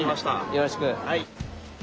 よろしく！